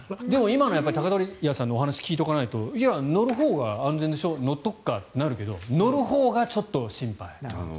今の鷹鳥屋さんのお話を聞いておかないといや、乗るほうが安全でしょ乗っておくかってなるけど乗るほうがちょっと心配。